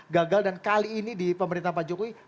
gagal dan kali ini di pemerintah pak jokowi